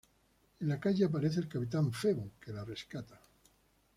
En la calle aparece el capitán Febo, que la rescata.